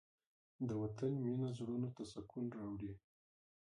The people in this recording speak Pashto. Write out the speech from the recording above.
د وطن مینه زړونو ته سکون راوړي.